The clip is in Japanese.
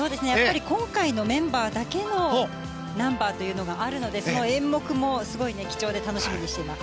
今回のメンバーだけのナンバーというのがあるのでその演目も、すごい貴重で楽しみにしています。